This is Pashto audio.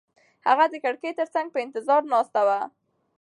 هغه د کړکۍ تر څنګ په انتظار ناسته وه.